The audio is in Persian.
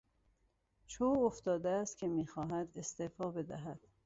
چو افتاده است که میخواهد استعفا بدهد.